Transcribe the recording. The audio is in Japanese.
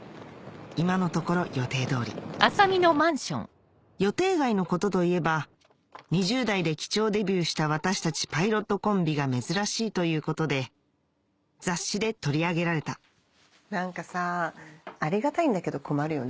今のところ予定通り予定外のことといえば２０代で機長デビューした私たちパイロットコンビが珍しいということで雑誌で取り上げられた何かさありがたいんだけど困るよね。